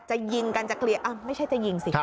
จะยิงกันจะเคลียร์ไม่ใช่จะยิงสิ